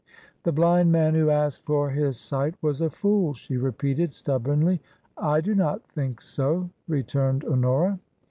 " The blind man who asked for his sight was a fool 1" she repeated, stubbornly. " I do not think so," returned Honora.